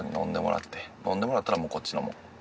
飲んでもらったらもうこっちのもん。